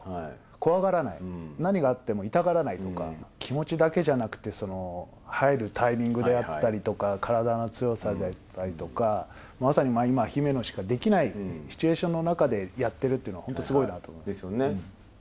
怖がらない、何があっても痛がらないとか、気持ちだけじゃなくて、入るタイミングであったりとか、体の強さであったりとか、まさに今、姫野しかできないシチュエーションの中でやってるというのは本当ですよね。